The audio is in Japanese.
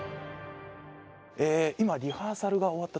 今リハーサルが終わったところです。